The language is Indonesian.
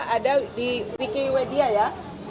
ada di pkw dia ya